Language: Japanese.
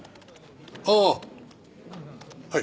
ああはい。